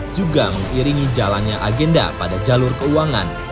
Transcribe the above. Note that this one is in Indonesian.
juga mengiringi jalannya agenda pada jalur keuangan